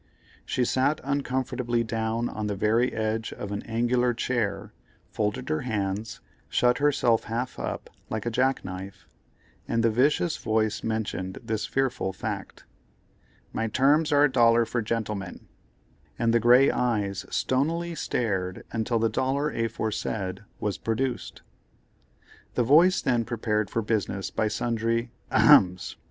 She sat uncomfortably down on the very edge of an angular chair, folded her hands, shut herself half up like a jack knife, and the vicious voice mentioned this fearful fact: "My terms are a dollar for gentlemen;" and the grey eyes stonily stared until the dollar aforesaid was produced. The voice then prepared for business by sundry "Ahems!"